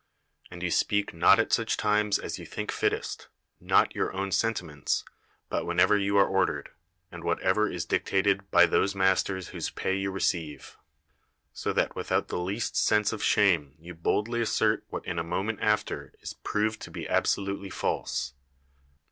And you speak not at such times as you think fittest— not your own sentiments — but whenever you are ordered, and whatever is dic tated by those masters whose pay you receive. So that without the least sense of shame you boldly assert what in a moment after is proved to be absolutely false.